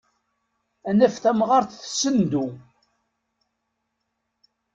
Ad naf tamɣart tessendu.